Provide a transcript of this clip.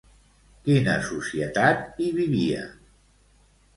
Quina societat hi vivia?